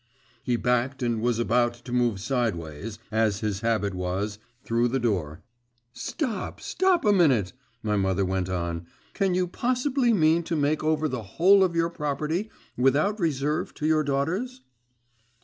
He backed and was about to move sideways, as his habit was, through the door. 'Stop, stop a minute,' my mother went on, 'can you possibly mean to make over the whole of your property without reserve to your daughters?